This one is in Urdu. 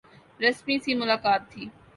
رسمی سی ملاقات تھی۔